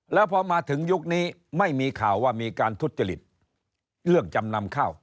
แล้วพอมาถึงยุคนี้ไม่มีข่าวว่ามีการทุจริตเรื่องจำนำข้าว